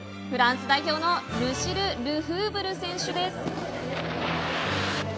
フランス代表のルシル・ルフーブル選手です。